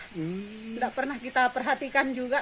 tidak pernah kita perhatikan juga